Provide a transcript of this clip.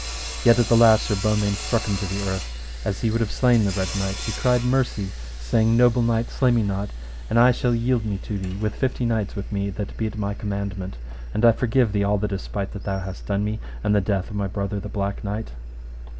Yet at the last Sir Beaumains struck him to the earth, and as he would have slain the Red Knight, he cried mercy, saying, Noble knight, slay me not, and I shall yield me to thee with fifty knights with me that be at my commandment. And I forgive thee all the despite that thou hast done to me, and the death of my brother the Black Knight.